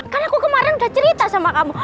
kan aku kemarin udah cerita sama kamu